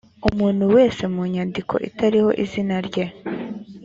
umuntu wese mu nyandiko itariho izina rye